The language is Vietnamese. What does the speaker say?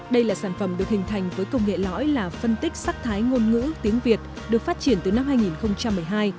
đây là sản phẩm được hình thành với công nghệ lõi là phân tích sắc thái ngôn ngữ tiếng việt được phát triển từ năm hai nghìn một mươi hai